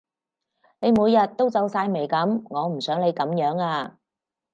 你每日都皺晒眉噉，我唔想你噉樣呀